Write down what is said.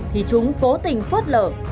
thì chúng cố tình phớt lở